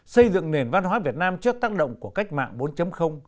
xây dựng nền văn hóa việt nam trước tác động của cách mạng bốn